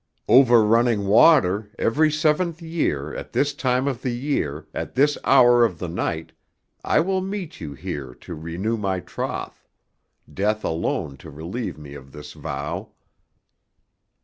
"'Over running water: every seventh year, at this time of the year, at this hour of the night, I will meet you here to renew my troth; death alone to relieve me of this vow.'"